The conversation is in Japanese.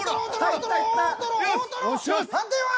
判定は？